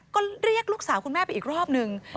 ก็เรียกลูกสาวคุณแม่ไปอีกรอบนึง